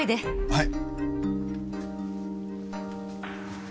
はい。